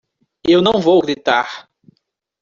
Eu não vou gritar!